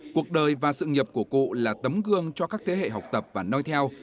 cuộc đời và sự nghiệp của cụ là tấm gương cho các thế hệ học tập và nói theo